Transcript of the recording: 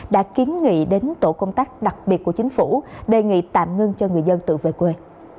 đã kiến nghị đến tổ công tác đặc biệt của chính phủ đề nghị tạm ngưng cho người dân tự về quê